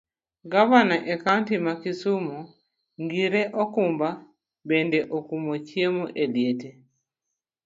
Gavana e kaunti ma kisumu ngire Okumba bende okumo chiemo e liete.